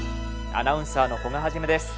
アナウンサーの古賀一です。